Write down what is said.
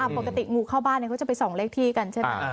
ปกติงูเข้าบ้านเขาจะไปส่องเลขที่กันใช่ไหม